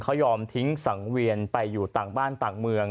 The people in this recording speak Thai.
เขายอมทิ้งสังเวียนไปอยู่ต่างบ้านต่างเมือง